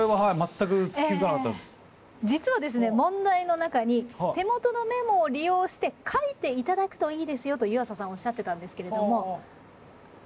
実はですね問題の中に「手元のメモを利用して書いていただくといいですよ」と湯浅さんおっしゃってたんですけれども。